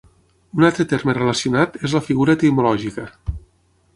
Un altre terme relacionat és la figura etimològica